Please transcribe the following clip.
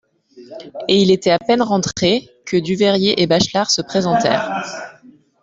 Et il était à peine rentré, que Duveyrier et Bachelard se présentèrent.